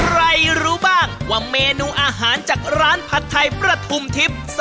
ใครรู้บ้างว่าเมนูอาหารจากร้านผัดไทประธุมธิป